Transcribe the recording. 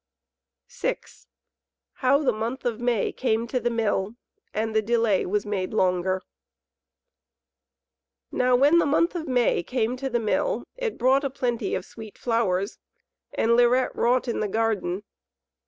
VI How the Month of May came to the Mill, and the Delay was Made Longer Now when the month of May came to the Mill it brought a plenty of sweet flowers, and Lirette wrought in the garden.